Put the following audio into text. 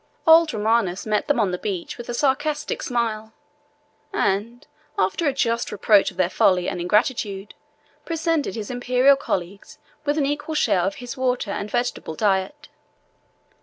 Old Romanus met them on the beach with a sarcastic smile, and, after a just reproach of their folly and ingratitude, presented his Imperial colleagues with an equal share of his water and vegetable diet.